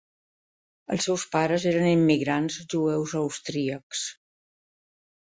Els seus pares eren immigrants jueus austríacs.